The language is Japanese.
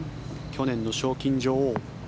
去年の賞金女王。